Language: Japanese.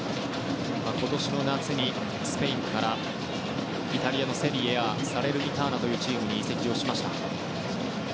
今年の夏に、スペインからイタリアのセリエＡサレルニターナというチームに移籍しました。